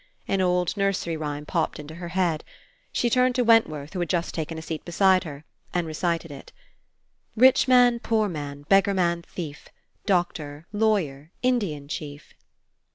An old nursery rhyme popped into her head. She turned to Wentworth, who had just taken a seat beside her, and recited it: ''Rich man, poor man, Beggar man, thief, Doctor, lawyer, Indian chief."